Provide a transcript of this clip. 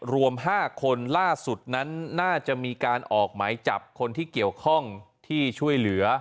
รวม๕คนล่าสุดนั้นน่าจะมีการออกหมายจับคนที่เกี่ยวข้องที่ช่วยเหลือ